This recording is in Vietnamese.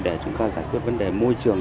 để chúng ta giải quyết vấn đề môi trường